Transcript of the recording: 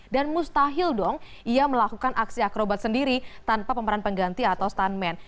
dan mustahil dong ia melakukan aksi akrobat sendiri tanpa pemeran pengganti atau stuntman